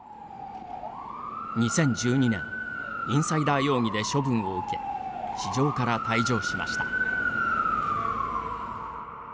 ２０１２年、インサイダー容疑で処分を受け市場から退場しました。